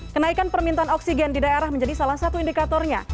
kenaikan permintaan oksigen di daerah menjadi salah satu indikatornya